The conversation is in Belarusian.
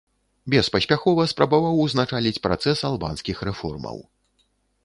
Беспаспяхова спрабаваў ўзначаліць працэс албанскіх рэформаў.